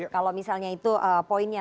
kalau misalnya itu poinnya